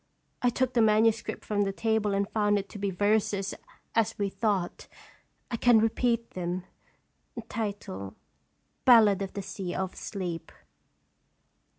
I took the manuscript from the table, and found it to be verses, as we thought. I can repeat them : BALLADE OF THE SEA OF SLEEP.